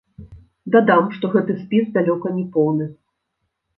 Дадам, што гэты спіс далёка не поўны.